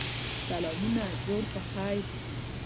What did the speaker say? سلامونه جوړ په خیر!